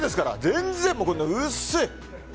全然薄い。